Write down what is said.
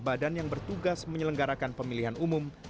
badan yang bertugas menyelenggarakan pemilihan umum